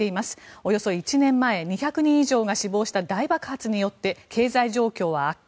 およそ１年前２００人以上が死亡した大爆発によって経済状況は悪化。